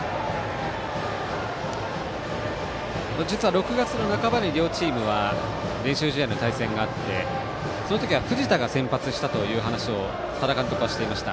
６月半ばに両チームは練習試合の対戦があってその時は藤田が先発したという話を多田監督はしていました。